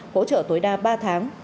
hỗ trợ tối đa ba tháng